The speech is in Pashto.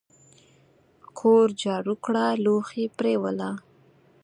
کور جارو کړه لوښي پریوله !